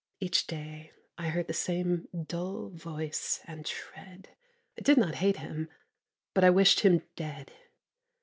Each day I heard the same dull voice and tread; I did not hate him: but I wished him dead.